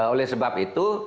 oleh sebab itu